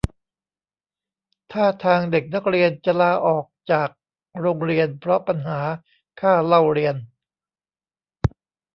ท่าทางเด็กนักเรียนจะลาออกจากโรงเรียนเพราะปัญหาค่าเล่าเรียน